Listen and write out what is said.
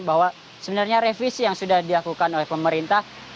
bahwa sebenarnya revisi yang sudah dilakukan oleh pemerintah